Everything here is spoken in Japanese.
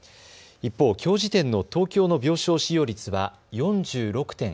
一方、きょう時点の東京の病床使用率は４６．１％。